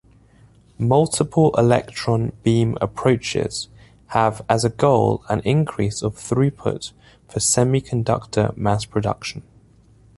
Multiple-electron beam approaches have as a goal an increase of throughput for semiconductor mass-production.